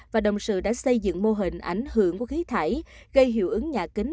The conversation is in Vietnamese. và đồng sự đã xây dựng mô hình ảnh hưởng của khí thải gây hiệu ứng nhà kính